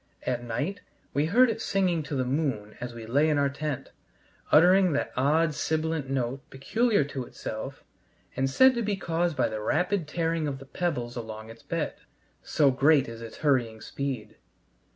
At night we heard it singing to the moon as we lay in our tent, uttering that odd sibilant note peculiar to itself and said to be caused by the rapid tearing of the pebbles along its bed, so great is its hurrying speed.